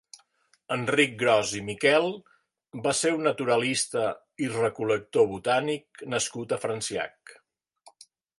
Enric Gros i Miquel va ser un naturalista i recol·lector botànic nascut a Franciac.